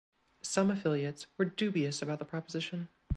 Some affiliates were dubious about the proposition.